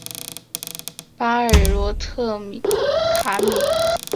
巴尔罗特卡米。